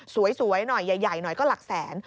สวยหน่อยใหญ่หน่อยก็หลักแสน